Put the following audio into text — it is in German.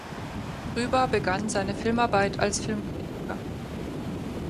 Trueba begann seine Filmarbeit als Filmkritiker.